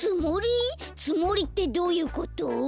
つもりってどういうこと？